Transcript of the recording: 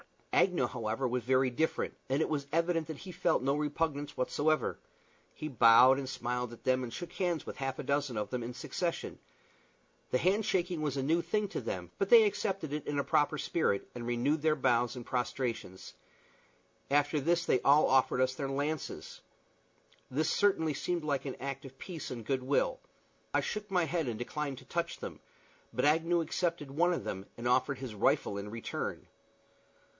Agnew, however, was very different, and it was evident that he felt no repugnance whatever. He bowed and smiled at them, and shook hands with half a dozen of them in succession. The hand shaking was a new thing to them, but they accepted it in a proper spirit, and renewed their bows and prostrations. After this they all offered us their lances. This certainly seemed like an act of peace and good will. I shook my head and declined to touch them; but Agnew accepted one of them, and offered his rifle in return.